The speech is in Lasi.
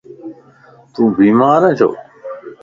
تون بيمار ائين ڇو؟